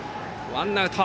ワンアウト。